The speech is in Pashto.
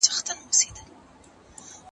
خلکو مخکې دا خطر نه و پېژندلی.